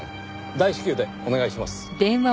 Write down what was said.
大至急でお願いします。